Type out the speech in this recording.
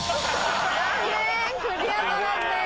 残念クリアならずです。